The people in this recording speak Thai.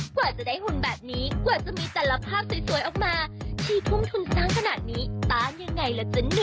กว่าจะได้หุ่นแบบนี้กว่าจะมีแต่ละภาพสวยออกมาที่ทุ่มทุนสร้างขนาดนี้ต้านยังไงล่ะจ๊ะ